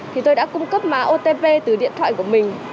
thì tôi đã cung cấp mã otv từ điện thoại của mình